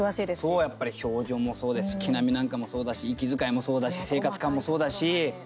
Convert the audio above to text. そう、やっぱり表情もそうだし毛並みなんかもそうだし息遣いもそうだし生活感もそうだし。